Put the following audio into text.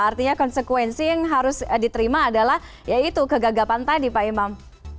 artinya konsekuensi yang harus diterima adalah ya itu kegagapan tadi pak imam